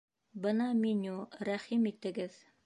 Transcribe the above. Бына меню, рәхим итегеҙ